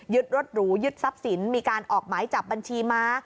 รถหรูยึดทรัพย์สินมีการออกหมายจับบัญชีม้า